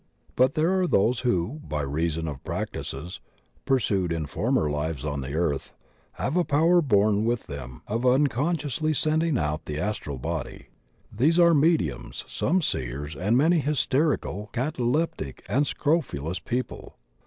But there are those who, by reason of practices pursued in former lives on the earth, have a power bom with them of unconsciously sending out the astral body. These are mediums, some seers, and many hysteri cal, cataleptic, and scrofulous people.